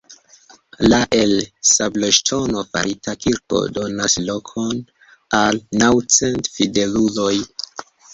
La el sabloŝtono farita kirko donas lokon al naŭ cent fideluloj.